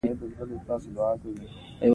کاناډا د فرصتونو ځمکه ده.